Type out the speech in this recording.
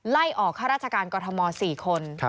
ไล่ออกข้าราชการกรทม๔คน